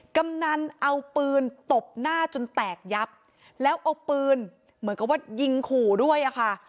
กำนันเอาปืนตบหน้าจนแตกยับแล้วเอาปืนเหมือนกับว่ายิงขู่ด้วยอะค่ะ